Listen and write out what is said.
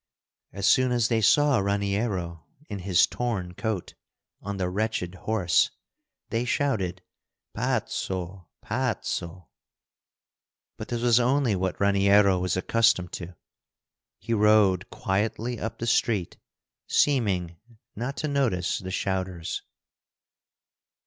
As soon as they saw Raniero, in his torn coat, on the wretched horse, they shouted: "Pazzo, pazzo!" But this was only what Raniero was accustomed to. He rode quietly up the street, seeming: not to notice the shouters.